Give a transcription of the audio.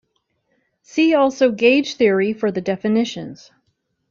See also gauge theory for the definitions.